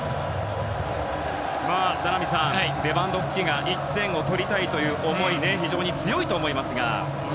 名波さん、レバンドフスキが１点を取りたいという思いは非常に強いと思いますが。